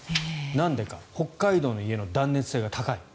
なんでか北海道の家の断熱性が高い。